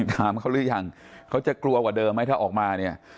ถามเขาหรือยังเขาจะกลัวกว่าเดิมไหมถ้าออกมาเนี่ย